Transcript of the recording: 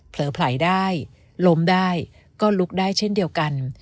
ไผลได้ล้มได้ก็ลุกได้เช่นเดียวกัน